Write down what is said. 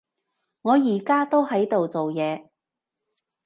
我而家都喺度做嘢